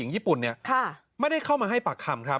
ตอนนี้ครับตำรวจมีการประสานกับผู้เสียหายแล้วก็ได้พูดคุยกันเบื้องต้นแล้ว